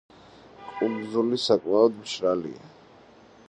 კუნძული საკმაოდ მშრალია.